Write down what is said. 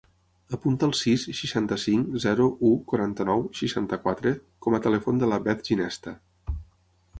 Apunta el sis, seixanta-cinc, zero, u, quaranta-nou, seixanta-quatre com a telèfon de la Beth Ginesta.